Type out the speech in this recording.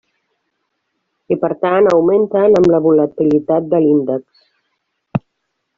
I per tant, augmenten amb la volatilitat de l'índex.